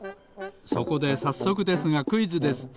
そこでさっそくですがクイズです。